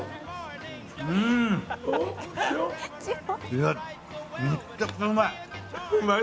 いやめちゃくちゃうまい！